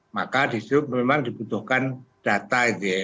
maka di situ memang dibutuhkan data